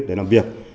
để làm việc